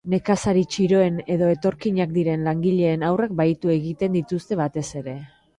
Nekazari txiroen edo etorkinak diren langileen haurrak bahitu egiten dituzte batez ere.